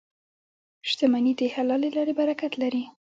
• شتمني د حلالې لارې برکت لري.